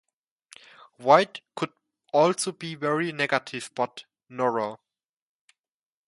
White could also be very negative about Nowra.